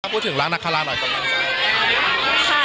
พูดถึงร้านนาคาราหน่อยกำลังใจ